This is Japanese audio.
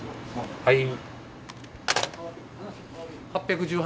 はい。